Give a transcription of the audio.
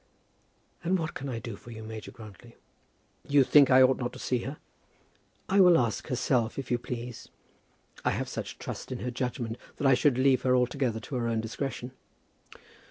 "And what can I do for you, Major Grantly?" "You think I ought not to see her?" "I will ask herself, if you please. I have such trust in her judgment that I should leave her altogether to her own discretion."